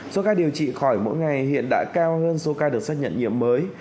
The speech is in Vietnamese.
số ca điều trị khỏi mỗi ngày hiện đã cao hơn số ca được xác nhận nhiệm mới